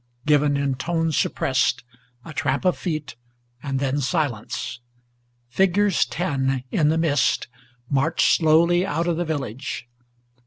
Given in tone suppressed, a tramp of feet, and then silence. Figures ten, in the mist, marched slowly out of the village.